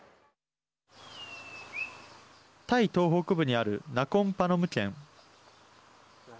タイ東北部にあるナコンパノム県。